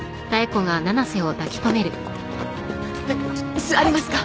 椅子ありますか？